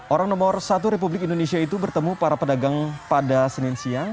orang nomor satu republik indonesia itu bertemu para pedagang pada senin siang